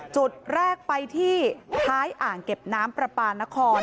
จุดแรกไปที่ท้ายอ่างเก็บน้ำประปานคร